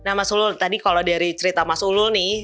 nah mas ulul tadi kalau dari cerita mas ulul nih